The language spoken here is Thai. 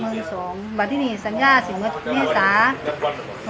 เมื่อสองบาทที่นี่สัญญาเสียงเมื่อเมื่อสาม